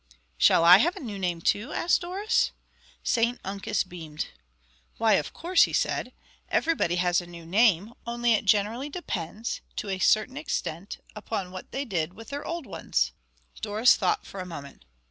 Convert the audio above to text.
"Shall I have a new name too?" asked Doris. St Uncus beamed. "Why, of course," he said. "Everybody has a new name, only it generally depends, to a certain extent, upon what they did with their old ones." Doris thought for a moment.